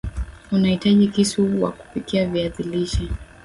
Utahitaji kisu wa kupikia viazi lishe